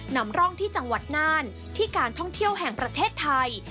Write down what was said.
นำร่องที่จังหวัดน่านที่การท่องเที่ยวแห่งประเทศไทย